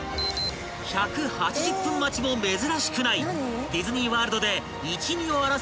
［１８０分待ちも珍しくないディズニー・ワールドで］